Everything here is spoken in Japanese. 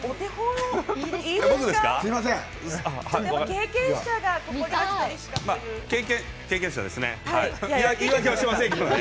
経験者ですね。